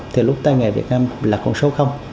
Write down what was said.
thì lúc tai nghề việt nam là con số